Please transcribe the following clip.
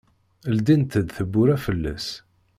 Ldint-d tewwura fell-as.